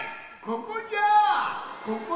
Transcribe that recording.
ここじゃよ！